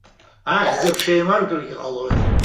Ахьӡ-аԥша еимаркыргьы ҟалоит.